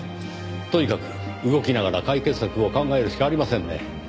とにかく動きながら解決策を考えるしかありませんね。